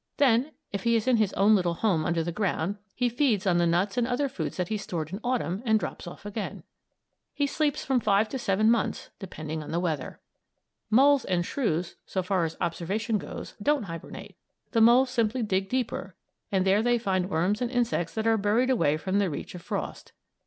Then, if he is in his own little home under the ground, he feeds on the nuts and other foods that he stored in Autumn and drops off again. He sleeps from five to seven months, depending on the weather. Moles and shrews, so far as observation goes, don't hibernate. The moles simply dig deeper, and there they find worms and insects that are buried away from the reach of frost.